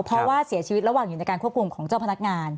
เพราะว่าเสียชีวิตระหว่างอยู่ในการควบคุมของเจ้าพนักงาน